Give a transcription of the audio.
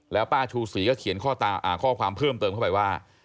แล้วป้าชูศรีก็เขียนข้อความเพิ่มเติมเข้าไปว่า